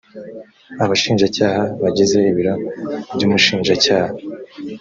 abashinjacyaha bagize ibiro by umushinjacyaha